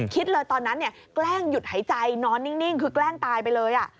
คิดเลยตอนนั้นเนี่ยแกล้งหยุดหายใจนอนนิ่งคือแกล้งตายไปเลย